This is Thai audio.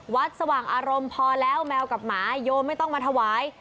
สว่างอารมณ์พอแล้วแมวกับหมาโยมไม่ต้องมาถวาย